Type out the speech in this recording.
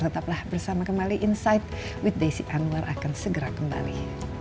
tetaplah bersama kembali insight with desi anwar akan segera kembali